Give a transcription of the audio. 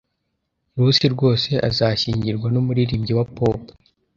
Lucy rwose azashyingirwa numuririmbyi wa pop